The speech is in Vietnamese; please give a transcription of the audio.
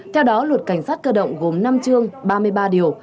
theo đó luật cảnh sát cơ động gồm năm chương ba mươi ba điều